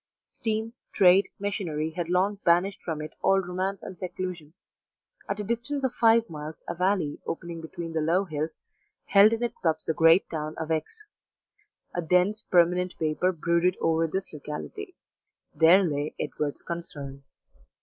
Steam, trade, machinery had long banished from it all romance and seclusion. At a distance of five miles, a valley, opening between the low hills, held in its cups the great town of X . A dense, permanent vapour brooded over this locality there lay Edward's "Concern."